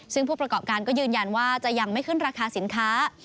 ซึ่งผู้ประกอบการก็ยืนยันว่าจะยังไม่ขึ้นราคาสินค้า